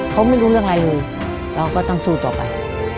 เขาไม่รู้เรื่องอะไรเลยเราก็ต้องสู้ต่อไป